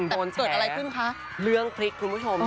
แต่เกิดอะไรขึ้นคะ